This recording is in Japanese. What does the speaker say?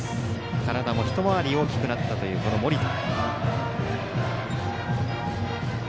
体も一回り大きくなったという盛田。